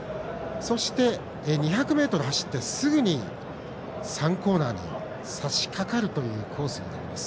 そして、２００ｍ走って、すぐに３コーナーにさしかかるというコースになります。